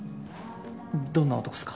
どんな男っすか？